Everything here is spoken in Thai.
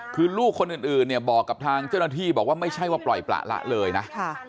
คือลูกคนอื่นเนี่ยบอกกับทางเจ้าหน้าที่บอกว่าไม่ใช่ว่าปล่อยประละเลยนะ